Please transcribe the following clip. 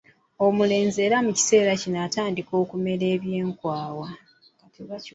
Omulenzi era mu kiseera kino atandika okumera eby'enkwawa.